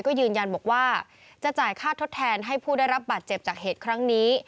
ก็ยืนยันบอกว่าจะจ่ายค่าทดแทนให้ผู้ได้รับบาดเจ็บจากเหตุครั้งนี้